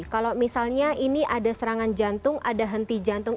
kalau misalnya ini ada serangan jantung ada henti jantung